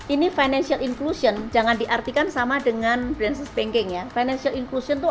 ini financial inclusion jangan diartikan sama dengan beres pengennya financial inclusion tuh